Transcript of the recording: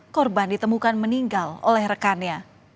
namun korban ini ditemukan meninggal oleh rekannya